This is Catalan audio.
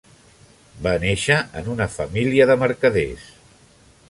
Va néixer en una família de mercaders.